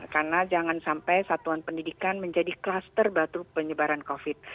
karena jangan sampai satuan pendidikan menjadi kluster batu penyebaran covid